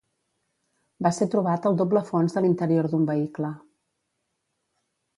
Va ser trobat al doble fons de l'interior d'un vehicle.